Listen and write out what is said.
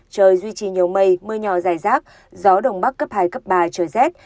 trời duy trì nhiều mây mưa nhỏ dài rác gió đồng bắc cấp hai ba trời rét